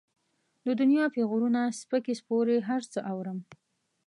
د دنيا پېغورونه، سپکې سپورې هر څه اورم.